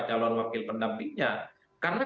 calon wakil pendampingnya karena